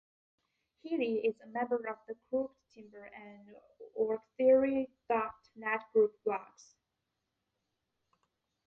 Healy is a member of the Crooked Timber and orgtheory dot net group blogs.